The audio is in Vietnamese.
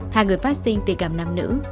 hai người phát sinh tình cảm nam nữ